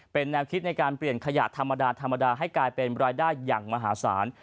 เป็นแนวคิดในการเปลี่ยนขยะธรรมดาธรรมดาให้กลายเป็นรายได้อย่างมหาศาล